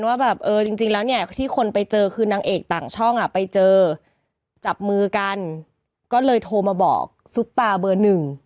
ว่าแบบเออจริงแล้วเนี่ยที่คนไปเจอคือนางเอกต่างช่องอ่ะไปเจอจับมือกันก็เลยโทรมาบอกซุปตาเบอร์หนึ่ง